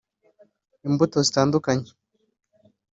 imbuto zitandukanye